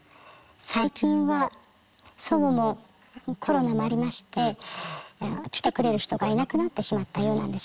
最近は祖母もコロナもありまして来てくれる人がいなくなってしまったようなんですね。